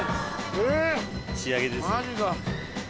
仕上げです。